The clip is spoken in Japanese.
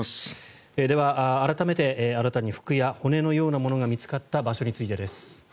では、改めて新たに服や骨のようなものが見つかった場所についてです。